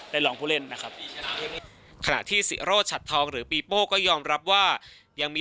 รองผู้เล่นนะครับขณะที่ศิโรชัดทองหรือปีโป้ก็ยอมรับว่ายังมี